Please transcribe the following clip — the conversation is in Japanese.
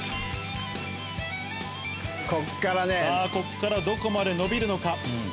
ここからどこまで伸びるのか？